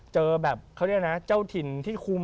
เจอแบบเขาเรียกนะเจ้าถิ่นที่คุม